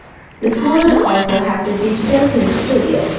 The school also has a digital film studio.